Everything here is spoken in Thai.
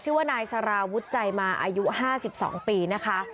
ชื่อว่านายสาราวุฒิใจมาอายุ๕๒ปีนะคะ